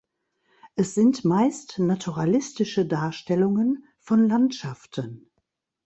Es sind meist naturalistische Darstellungen von Landschaften.